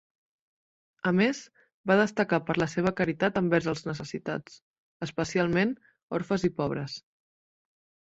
A més, va destacar per la seva caritat envers els necessitats, especialment orfes i pobres.